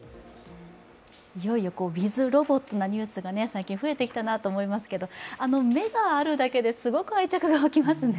いよいよウィズロボットのニュースが増えてきたなという気がしますけど目があるだけで、すごく愛着が湧きますね。